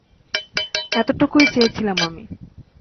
এতটুকুই চেয়েছিলাম আমি।